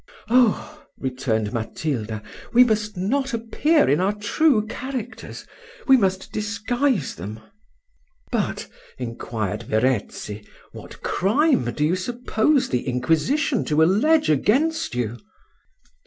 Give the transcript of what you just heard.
"Oh!" returned Matilda, "we must not appear in our true characters we must disguise them." "But," inquired Verezzi, "what crime do you suppose the inquisition to allege against you?"